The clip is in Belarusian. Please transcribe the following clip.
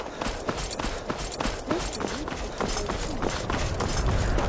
Проста нешта пайшло не так.